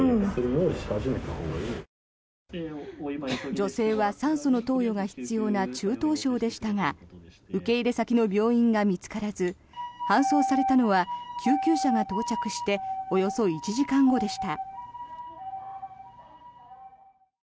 女性は酸素の投与が必要な中等症でしたが受け入れ先の病院が見つからず搬送されたのは救急車が到着しておよそ１時間後でした。